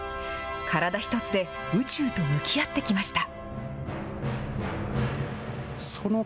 体一つで宇宙と向き合ってきました。